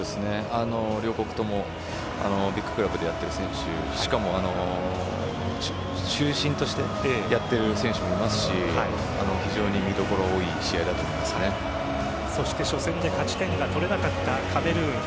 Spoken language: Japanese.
両国とも、ビッグクラブでやっている選手、しかも中心としてやっている選手もいますし非常に見どころが多いそして初戦で勝ち点が取れなかったカメルーン